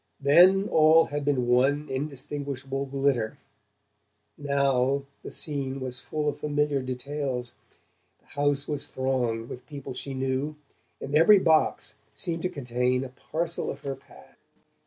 Then all had been one indistinguishable glitter, now the scene was full of familiar details: the house was thronged with people she knew, and every box seemed to contain a parcel of her past.